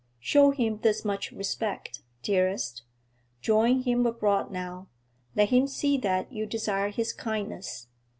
Show him this much respect, dearest; join him abroad now; let him see that you desire his kindness.